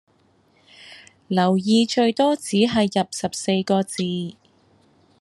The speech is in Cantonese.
留意最多只係入十四個字